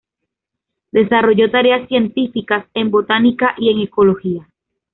Desarrolló tareas científicas en Botánica y en Ecología.